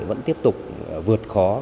vẫn tiếp tục vượt khó